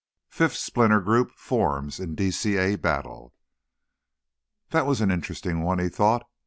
FIFTH SPLINTER GROUP FORMS IN DCA BATTLE That was an interesting one, he thought.